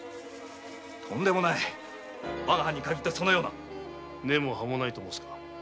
とんでもない我が藩にかぎってそのような根も葉もないと申すのか？